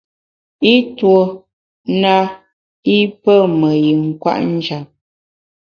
I tuo na i pe me yin kwet njap.